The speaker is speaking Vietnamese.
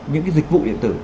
những dịch vụ điện tử